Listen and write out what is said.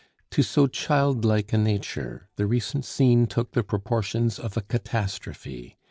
To so childlike a nature, the recent scene took the proportions of a catastrophe.